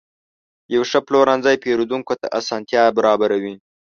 یو ښه پلورنځی پیرودونکو ته اسانتیا برابروي.